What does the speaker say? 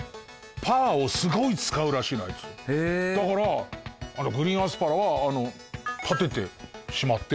だからグリーンアスパラは立ててしまってみたいな。